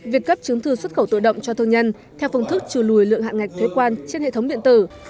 việc cấp chứng thư xuất khẩu tự động cho thương nhân theo phương thức trừ lùi lượng hạn ngạch thuế quan trên hệ thống điện tử